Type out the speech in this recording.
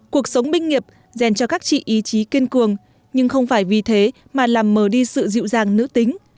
cuộc sống binh nghiệp dành cho các chị ý chí kiên cường nhưng không phải vì thế mà làm mờ đi sự dịu dàng nữ tính